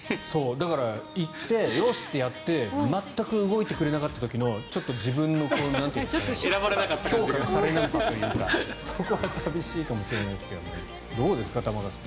だから、行ってよし！ってやって全く動いてくれなかった時のちょっと自分の評価されないというかそれは寂しいかもしれませんがどうですか、玉川さん。